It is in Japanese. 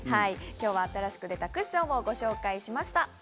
今日は新しく出たクッションをご紹介しました。